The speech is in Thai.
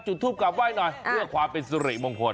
ทูปกลับไหว้หน่อยเพื่อความเป็นสุริมงคล